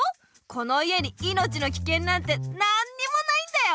この家に命のきけんなんてなんにもないんだよ。